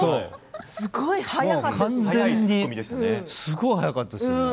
すごい早かったですよね。